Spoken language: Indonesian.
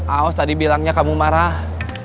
aos tadi bilangnya kamu marah